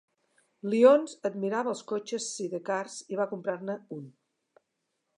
Lyons admirava els cotxes sidecars i va comprar-ne un.